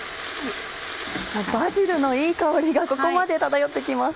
バジルのいい香りがここまで漂って来ます。